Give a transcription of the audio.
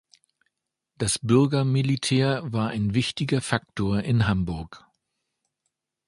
Das Bürgermilitär war ein wichtiger Faktor in Hamburg.